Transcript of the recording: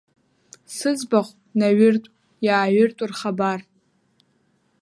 Сыӡбахә наҩыртә, иааҩыртә рхабар?